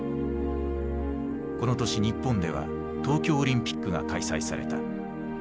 この年日本では東京オリンピックが開催された。